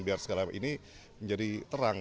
biar segala ini menjadi terang